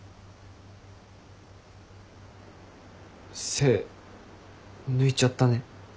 背抜いちゃったね。